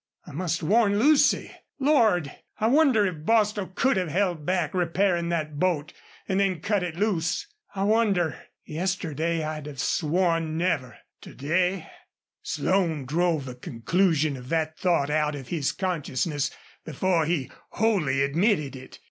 I must warn Lucy.... Lord! I wonder if Bostil could have held back repairin' that boat, an' then cut it loose? I wonder? Yesterday I'd have sworn never. To day " Slone drove the conclusion of that thought out of his consciousness before he wholly admitted it.